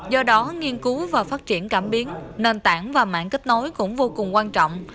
do đó nghiên cứu và phát triển cảm biến nền tảng và mạng kết nối cũng vô cùng quan trọng